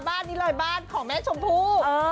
บ้านนี้เลยบ้านของแม่ชมพู่